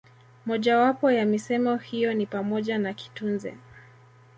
Moja wapo ya misemo hiyo ni pamoja na kitunze